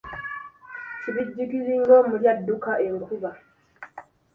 Kibijjigiri ng'omubi adduka enkuba.